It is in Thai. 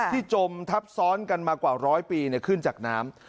จมทับซ้อนกันมากว่าร้อยปีขึ้นจากน้ำ